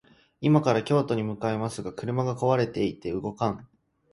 今から京都に向かいますが、車が壊れていて動かん